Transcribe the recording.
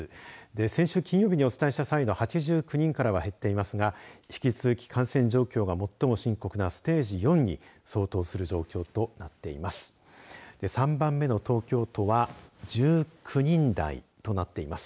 先週金曜日にお伝えした際の８９人からは減っていますが続いて感染状況が最も深刻なステージ４に相当する状況となっています。